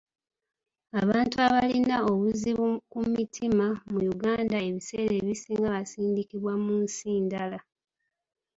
Abantu abalina obuzibu ku mitima mu Uganda ebiseera ebisinga basindikibwa mu nsi ndala.